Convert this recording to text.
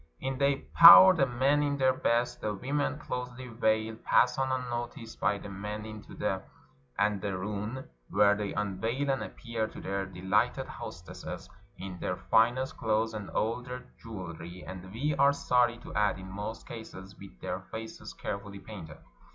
" In they pour, the men in their best; the women, closely veiled, pass on unnoticed by the men into the andcrun, where they unveil and appear to their de hghted hostesses in their finest clothes and all their jew elry; and, we are sorry to add, in most cases with their faces carefully painted.